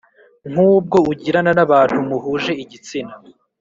nk ubwo ugirana n abantu muhuje igitsina